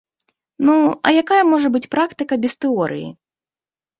Ну, а якая можа быць практыка без тэорыі?